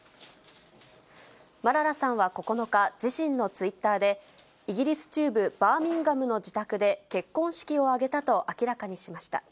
マララさんは９日、自身のツイッターで、イギリス中部バーミンガムの自宅で結婚式を挙げたと明らかにしました。